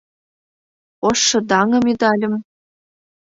Ошшыдаҥым ӱдальым.